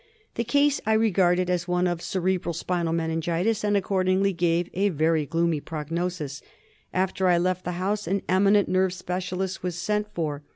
The case I regarded as one of cerebro spinal meningitis, and accordingly gave a very gloomy prognosis. After I left the house an eminent nerve specialist was sent for.